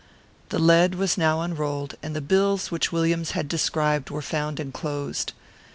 The lead was now unrolled, and the bills which Williams had described were found enclosed.